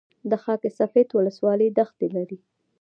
د خاک سفید ولسوالۍ دښتې لري